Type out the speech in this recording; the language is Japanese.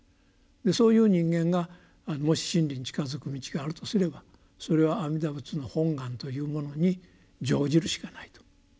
そういう人間がもし真理に近づく道があるとすればそれは阿弥陀仏の本願というものに乗じるしかないと。